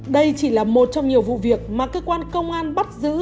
đây chỉ là một trong nhiều vụ việc mà cơ quan công an bắt giữ